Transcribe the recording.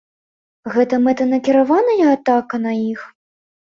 Гэта мэтанакіраваная атака на іх?